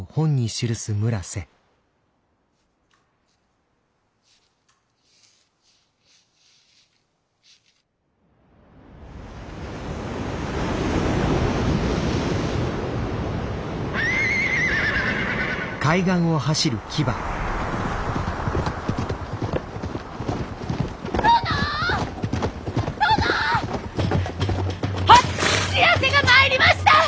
知らせが参りました！